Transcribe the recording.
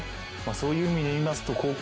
そういう意味で言いますと後攻